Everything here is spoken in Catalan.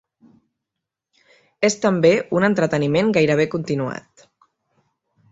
És també un entreteniment gairebé continuat.